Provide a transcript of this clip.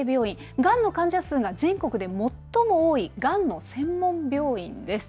がんの患者数が全国で最も多いがんの専門病院です。